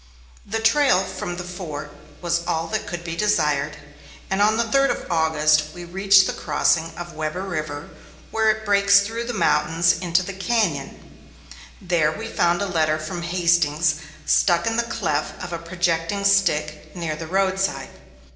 The trail from the fort was all that could be desired, and on the third of August, we reached the crossing of Webber River, where it breaks through the mountains into the cañon. There we found a letter from Hastings stuck in the cleft of a projecting stick near the roadside.